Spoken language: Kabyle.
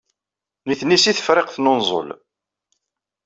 Nitni seg Tefriqt n Unẓul.